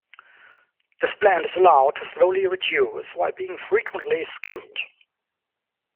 This blend is allowed to slowly reduce while being frequently skimmed.